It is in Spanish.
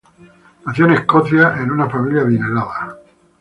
Nació en Escocia en una familia adinerada.